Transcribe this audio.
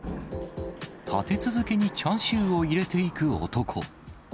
立て続けにチャーシューを入れていく男。